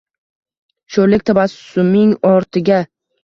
shoʼrlik tabassuming ortiga